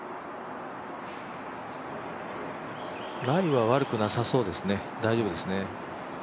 ライは悪くなさそうですね。